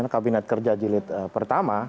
kabinet kerja jilid pertama